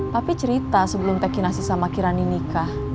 papih cerita sebelum teh kinasi sama kirani nikah